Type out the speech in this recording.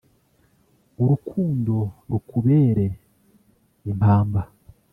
urukundo rukubere impamba